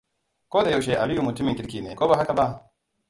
Ko da yaushe Aliyu mutumin kirki ne, ko ba haka ba?